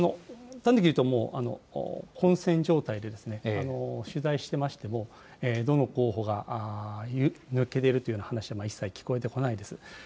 端的に言うと、混戦状態でですね、取材してましても、どの候補が抜け出るという話は一切聞こえてこないです。